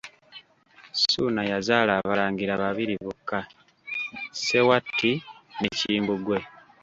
Ssuuna yazaala abalangira babiri bokka, Ssewatti ne Kimbugwe.